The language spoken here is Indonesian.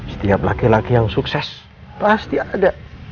setiap laki laki yang sukses pasti ada